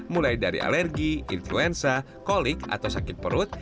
mulai dari alergi influenza kolik atau sakit perut